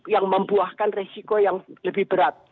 yang membuahkan resiko yang lebih berat